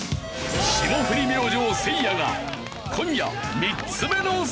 霜降り明星せいやが今夜３つ目の正解。